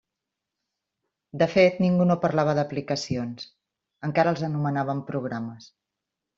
De fet, ningú no parlava d'aplicacions: encara els anomenàvem programes.